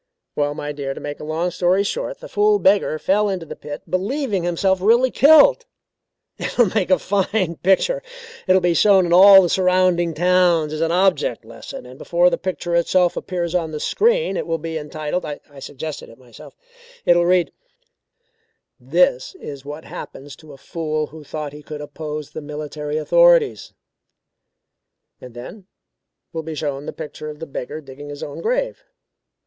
"Well, my dear, to make a long story short, the fool beggar fell into the pit, believing himself really killed. It will make a fine picture. It will be shown in all the surrounding towns as an object lesson, and before the picture itself appears on the screen it will be entitled I suggested it myself it will read 'This is what happened to a fool who thought he could oppose the military authorities,' and then will be shown the picture of the beggar digging his own grave.